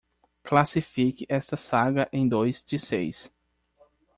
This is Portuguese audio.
Classifique esta saga em dois de seis.